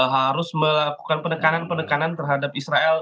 harus melakukan penekanan penekanan terhadap israel